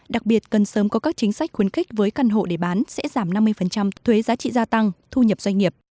đặc biệt cần sớm có các chính sách khuyến khích với căn hộ để bán sẽ giảm năm mươi thuế giá trị gia tăng thu nhập doanh nghiệp